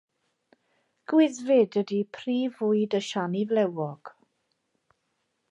Gwyddfid ydy prif fwyd y siani flewog.